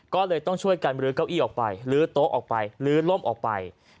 ก็เลยต้องช่วยกันบลื้อเก้าอี้ออกไปลื้อโต๊ะออกไปลื้อล่มออกไป